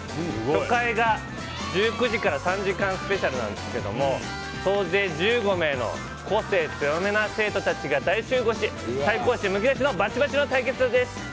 初回が１９時から３時間スペシャルなんですけど総勢１５名の個性強めな生徒たちが大集合し、対抗心むき出しのバチバチな対決です！